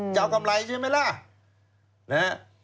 จะเอากำไรใช่ไหมล่ะ